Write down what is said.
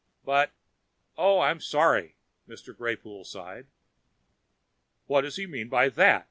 But oh, I am sorry." Mr. Greypoole sighed. "What does he mean by that?"